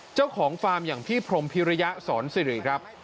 เจ้าของฟาร์มอย่างพี่พรมพิริยะสอนสิริครับ